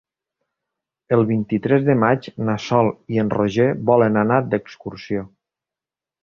El vint-i-tres de maig na Sol i en Roger volen anar d'excursió.